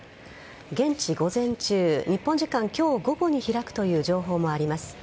現地午前中日本時間今日午後に開くという情報もあります。